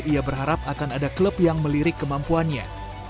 ia berharap akan ada klub yang melirik kemampuannya